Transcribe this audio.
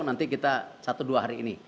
nanti kita satu dua hari ini